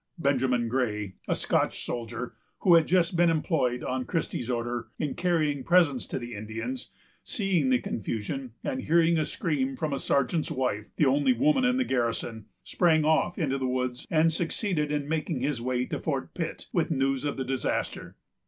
Benjamin Gray, a Scotch soldier, who had just been employed, on Christie's order, in carrying presents to the Indians, seeing the confusion, and hearing a scream from a sergeant's wife, the only woman in the garrison, sprang off into the woods and succeeded in making his way to Fort Pitt with news of the disaster.